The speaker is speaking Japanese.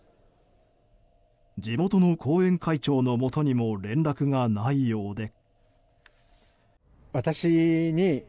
地元の後援会長のもとにも連絡がないようで。